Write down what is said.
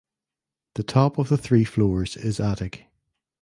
The top of the three floors is attic.